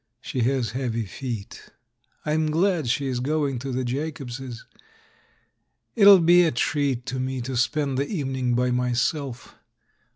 She has heavy feet. I am glad she is going to the Jacobs's ; it'll be a treat to me to spend the evening by myself.